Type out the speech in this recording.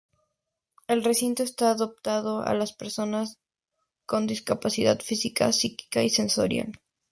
El recinto está adaptado a las personas con discapacidad física, psíquica y sensorial.